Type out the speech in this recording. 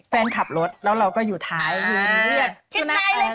แฟนขับรถแล้วเราก็อยู่ท้ายอยู่ดีเวียด